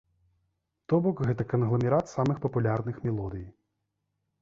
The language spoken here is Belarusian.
То бок, гэта кангламерат самых папулярных мелодый.